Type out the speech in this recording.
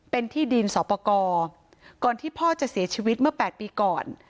เป็นที่ดินสอปกรก่อนที่พ่อจะเสียชีวิตเมื่อ๘ปีก่อน